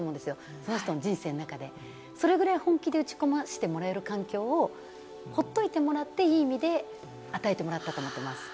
その人の人生の中でそれぐらい本気で打ち込ませてもらえる環境をほっといてもらって、いい意味で与えてもらったと思ってます。